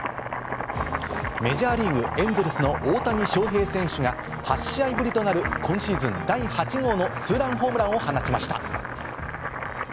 メジャーリーグ・エンゼルスの大谷翔平選手が８試合ぶりとなる今シーズン第８号のツーランホームランを放ちました。